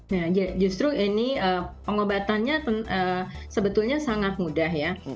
nah justru ini pengobatannya sebetulnya sangat mudah ya